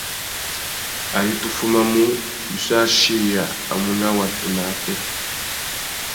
Ari tu fumamú, wissú achiya a mù nà watu nà ātê.